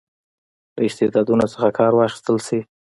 له استعدادونو څخه کار واخیستل شي.